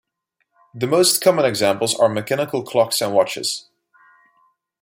The most common examples are mechanical clocks and watches.